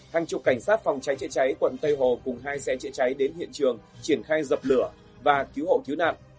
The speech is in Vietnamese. hàng chục cảnh sát phòng cháy chữa cháy quận tây hồ cùng hai xe chữa cháy đến hiện trường triển khai dập lửa và cứu hộ cứu nạn